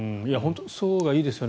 そのほうがいいですよね。